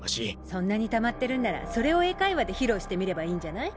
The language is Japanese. そんなにたまってるんならそれを英会話で披露してみればいいんじゃない？